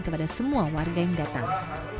kepada semua warga yang datang